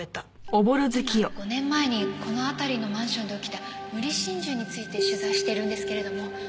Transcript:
今５年前にこの辺りのマンションで起きた無理心中について取材してるんですけれども。